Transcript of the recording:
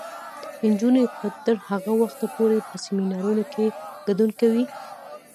نجونې به تر هغه وخته پورې په سیمینارونو کې ګډون کوي.